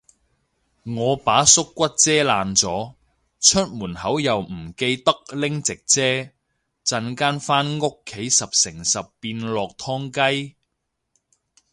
我把縮骨遮爛咗，出門口又唔記得拎直遮，陣間返屋企十成十變落湯雞